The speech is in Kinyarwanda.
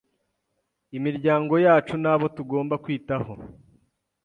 imiryango yacu n’abo tugomba kwitaho